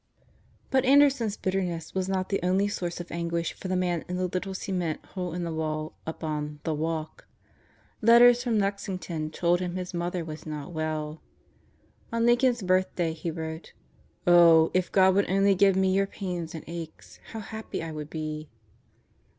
.,." But Anderson's bitterness was not the only source of anguish for the man in the little cement hole in the wall .up on "the walk." Letters from Lexington told him his mother was not well. On Lincoln's Birthday he wrote: "Oh, if God would only give me your pains and aches, how happy I would be!"